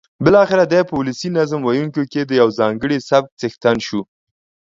بالاخره دی په ولسي نظم ویونکیو کې د یوه ځانګړي سبک څښتن شو.